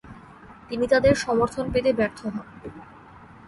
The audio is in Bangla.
তিনি তাদের সমর্থন পেতে ব্যর্থ হন।